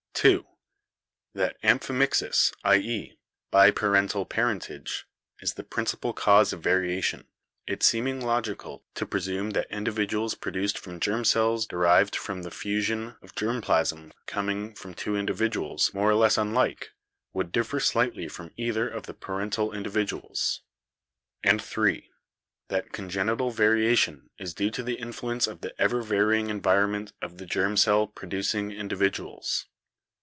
(2) that amphimixis — i.e., bi parental parentage — is the principal cause of variation, it seeming logical to presume that individuals produced from germ cells derived from the fusion of germ plasm com ing from two individuals more or less unlike would differ slightly from either of the parental individuals; and (3) that congenital variation is due to the influence of the ever varying environment of the germ cell producing indi viduals.